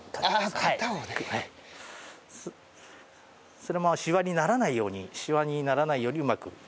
そのまましわにならないようにしわにならないようにうまく。